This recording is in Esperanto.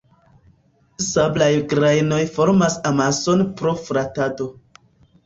Sablaj grajnoj formas amason pro frotado.